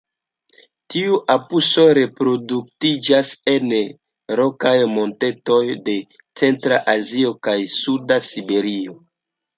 Tiuj apusoj reproduktiĝas en rokaj montetoj de centra Azio kaj suda Siberio.